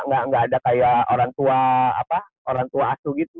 gak ada kayak orang tua asu gitu